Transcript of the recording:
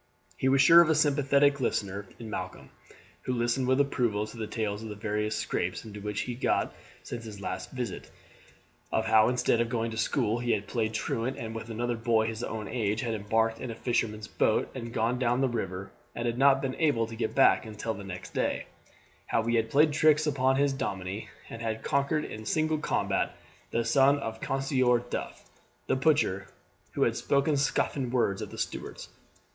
He was sure of a sympathetic listener in Malcolm, who listened with approval to the tales of the various scrapes into which he had got since his last visit; of how, instead of going to school, he had played truant and with another boy his own age had embarked in a fisherman's boat and gone down the river and had not been able to get back until next day; how he had played tricks upon his dominie, and had conquered in single combat the son of Councillor Duff, the butcher, who had spoken scoffing words at the Stuarts.